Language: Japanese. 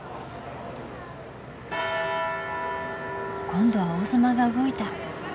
今度は王様が動いた。